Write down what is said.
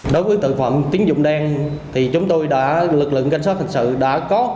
đối với tội phạm tiến dụng đen thì chúng tôi đã lực lượng canh soát thực sự đã có